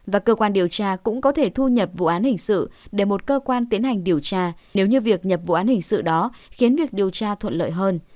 và cơ quan điều tra cũng có thể thu nhập vụ án hình sự để một cơ quan tiến hành điều tra nếu như việc nhập vụ án hình sự đó khiến việc điều tra thuận lợi hơn